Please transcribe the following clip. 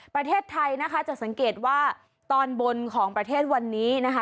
ประเทศไทยนะคะจะสังเกตว่าตอนบนของประเทศวันนี้นะคะ